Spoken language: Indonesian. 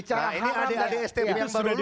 nah ini adik adik stm yang baru lulus jaga itu